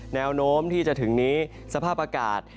แนวโน้มที่จะถึงนี้สภาพอากาศ